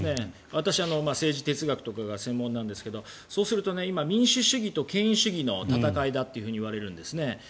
私、政治哲学とかが専門なんですがそうすると今民主主義と権威主義の闘いだといわれるんですね。